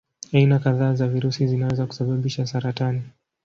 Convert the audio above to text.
Aina kadhaa za virusi zinaweza kusababisha saratani.